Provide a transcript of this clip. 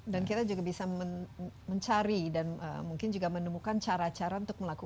dan kita juga bisa mencari dan mungkin juga menemukan cara cara untuk mencari